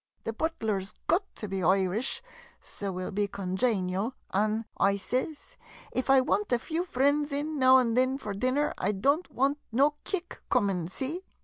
The butler 's got to be Irish, so 's we '11 be conjaynial, an'," I sez, " if I want a few f rinds in now an' thin for dinner, I don't want no kick coomin', see